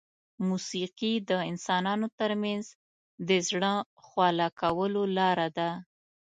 موسیقي د انسانانو ترمنځ د زړه خواله کولو لاره ده.